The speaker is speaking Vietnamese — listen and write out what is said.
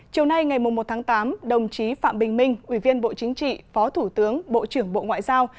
chiều nay ngày một tháng tám đồng chí phạm bình minh ủy viên bộ chính trị phó thủ tướng bộ trưởng bộ ngoại giao